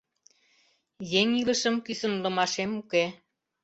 Еҥ илышым кӱсынлымашем уке.